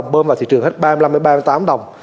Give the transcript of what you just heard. bơm vào thị trường hết ba mươi năm ba mươi tám đồng